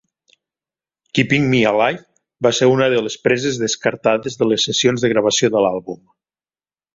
"Keeping Me Alive" va ser una de les preses descartades de les sessions de gravació de l'àlbum.